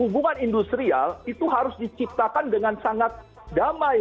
hubungan industrial itu harus diciptakan dengan sangat damai